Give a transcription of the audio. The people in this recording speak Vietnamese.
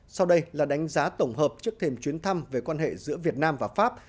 sau đây là đánh giá tổng hợp trước thềm chuyến thăm về quan hệ giữa việt nam và pháp